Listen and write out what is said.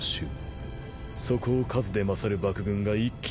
そこを数で勝る幕軍が一気にたたきつぶす。